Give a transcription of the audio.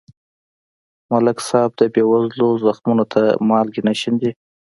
ملک صاحب د بېوزلو زخمونو ته مالګې نه شیندي.